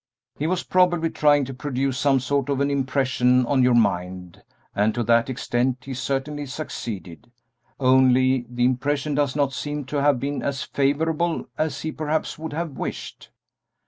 He was probably trying to produce some sort of an impression on your mind, and to that extent he certainly succeeded, only the impression does not seem to have been as favorable as he perhaps would have wished.